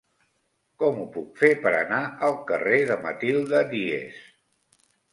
Com ho puc fer per anar al carrer de Matilde Díez?